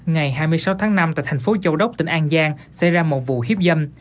ngày hai mươi sáu tháng năm tại thành phố châu đốc tỉnh an giang xảy ra một vụ hiếp dâm